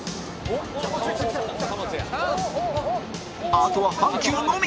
あとは阪急のみ！